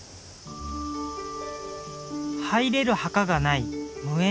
入れる墓がない無縁遺骨。